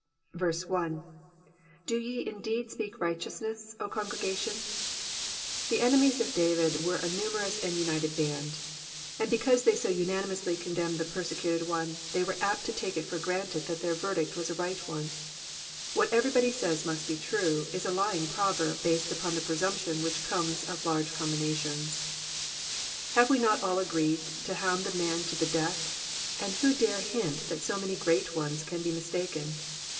1. ^^Do ye indeed speak righteousnesSy 0 eongregatumf^^ The enemies of David were a numeroas and united band, and because they so unanimousiy condemned the persecuted one. they were apt to take it for granted that their ▼erdict was a right one. *^ What every body says must be true,^ is a lying prorerb based upon the presumption which comes of large combinations. Hare we not all i^eed to hound the man to the death, and who dare hint that so many great ones can be mistaken